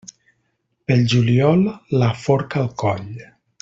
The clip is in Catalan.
Pel juliol, la forca al coll.